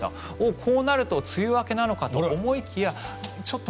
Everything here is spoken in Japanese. こうなると梅雨明けなのかと思いきやちょっと